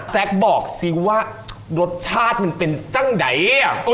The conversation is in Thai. แซคบอกซิว่ารสชาติมันเป็นจั้งไหน